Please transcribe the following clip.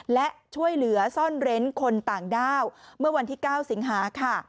และช่วยเหลือซ่อนเร้นคนต่างด้าวเมื่อวันที่๙สิงหาค่ะ